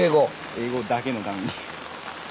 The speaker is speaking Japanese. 英語だけのために。